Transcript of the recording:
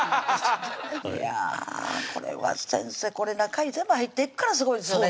いやこれは先生これ中に全部入っていくからすごいですよね